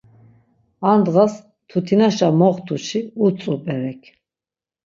Ar ndğas mtutinaşa moxt̆usi utzu berek.